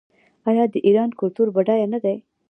آیا د ایران کلتور بډایه نه دی؟